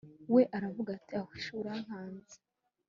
we aravuga ati ahuiih sh urankanze